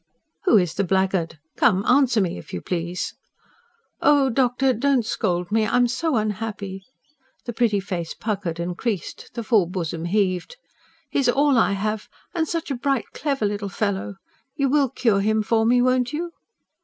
"Who is the blackguard? Come, answer me, if you please!" "Oh, doctor, don't scold me... I am so unhappy." The pretty face puckered and creased; the full bosom heaved. "He is all I have. And such a bright, clever little fellow! You will cure him for me, won't you?"